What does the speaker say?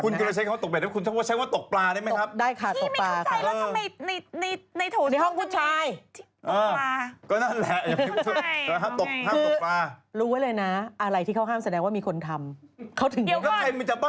คุณใช้เมื่อกี้ว่าตกเบชนะฮะว่าตกปลานี่ไหมครับ